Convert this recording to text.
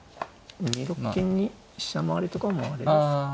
２六金に飛車回りとかもあれですかね。